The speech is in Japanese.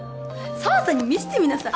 紗羽さんに見せてみなさい